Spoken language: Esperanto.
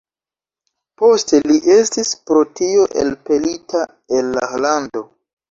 Poste li estis pro tio elpelita el la lando.